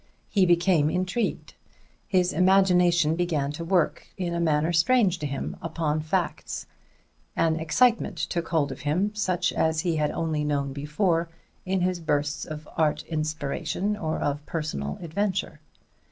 He became intrigued; his imagination began to work, in a manner strange to him, upon facts; an excitement took hold of him such as he had only known before in his bursts of art inspiration or of personal adventure.